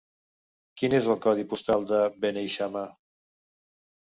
Quin és el codi postal de Beneixama?